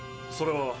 それは。